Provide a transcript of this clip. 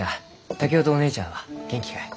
竹雄とお姉ちゃんは元気かえ？